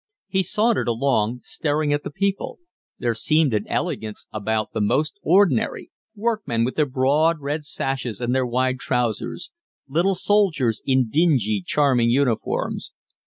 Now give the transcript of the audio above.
He sauntered along, staring at the people; there seemed an elegance about the most ordinary, workmen with their broad red sashes and their wide trousers, little soldiers in dingy, charming uniforms.